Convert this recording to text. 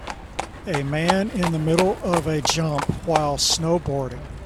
A man in the middle of a jump while snowboarding